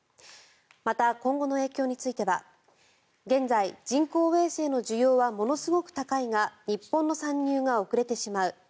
また、今後の影響については現在、人工衛星の需要はものすごく高いが日本の参入が遅れてしまう。